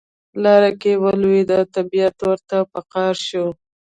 لار کې ولوید طبیعت ورته په قار شو.